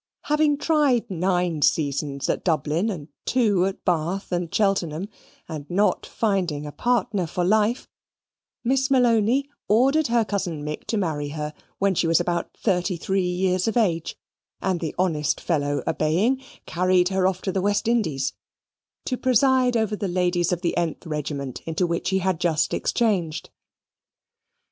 Having tried nine seasons at Dublin and two at Bath and Cheltenham, and not finding a partner for life, Miss Malony ordered her cousin Mick to marry her when she was about thirty three years of age; and the honest fellow obeying, carried her off to the West Indies, to preside over the ladies of the th regiment, into which he had just exchanged.